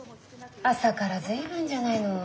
朝から随分じゃないの。